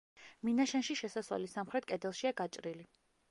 მინაშენში შესასვლელი სამხრეთ კედელშია გაჭრილი.